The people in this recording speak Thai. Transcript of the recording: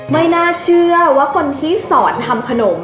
ไม่น่าเชื่อว่าคนที่สอนทำขนม